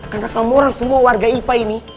karena kamu orang semua warga ipang ini